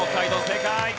正解。